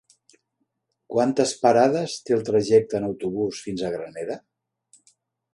Quantes parades té el trajecte en autobús fins a Granera?